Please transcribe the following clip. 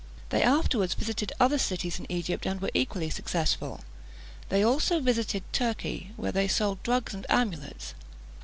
They afterwards visited other cities in Egypt, and were equally successful. They also visited Turkey, where they sold drugs and amulets.